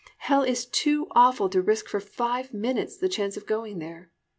Hell is too awful to risk for five minutes the chance of going there.